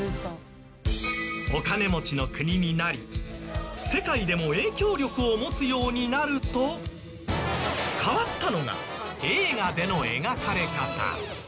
お金持ちの国になり世界でも影響力を持つようになると変わったのが映画での描かれ方。